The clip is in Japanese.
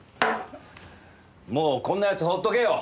もうこんな奴放っとけよ。